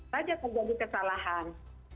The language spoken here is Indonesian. saja terjadi kesalahan